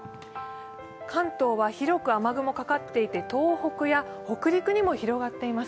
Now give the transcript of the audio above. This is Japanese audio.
関東は広く雨雲がかかっていて、東北や北陸にも広がっています。